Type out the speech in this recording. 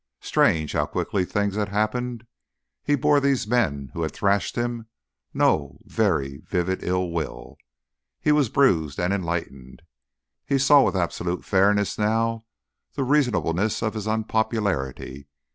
Strange how quickly things had happened! He bore these men who had thrashed him no very vivid ill will. He was bruised and enlightened. He saw with absolute fairness now the reasonableness of his unpopularity.